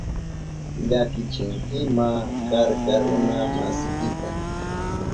Llakichinkima karka runa masiykita.